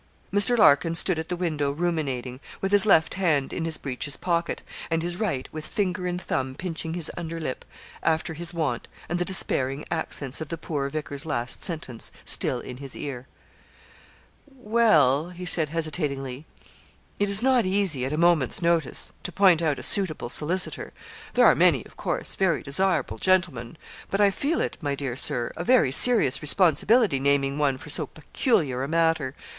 Mr. Larkin stood at the window ruminating, with his left hand in his breeches pocket, and his right, with finger and thumb pinching his under lip, after his wont, and the despairing accents of the poor vicar's last sentence still in his ear. 'Well,' he said hesitatingly, 'it is not easy, at a moment's notice, to point out a suitable solicitor; there are many, of course, very desirable gentlemen, but I feel it, my dear Sir, a very serious responsibility naming one for so peculiar a matter.